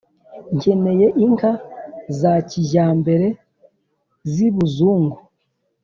Nkeneye inka za kijyambere z' ibuzungu